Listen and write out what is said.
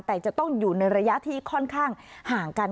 แต่จะต้องอยู่ในระยะที่ค่อนข้างห่างกัน